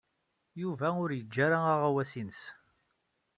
Yuba ur yeǧǧi ara aɣawas-nnes.